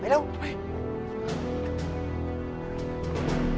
ไม่รู้อะ